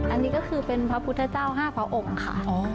อันนี้ก็คือเป็นพระพุทธเจ้า๕พระองค์ค่ะ